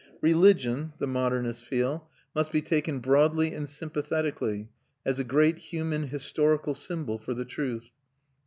Religion, the modernists feel, must be taken broadly and sympathetically, as a great human historical symbol for the truth.